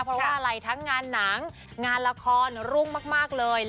เพราะว่าอะไรทั้งงานหนังงานละครรุ่งมากเลย